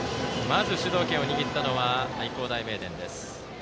まず主導権を握ったのは愛工大名電です。